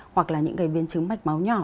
hoặc là những cái biến chứng mạch máu nhỏ